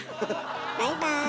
バイバーイ。